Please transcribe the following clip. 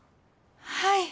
はい。